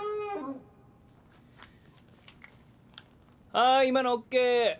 はーい今のＯＫ。